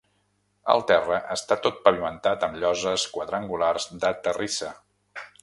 El terra està tot pavimentat amb lloses quadrangulars de terrissa.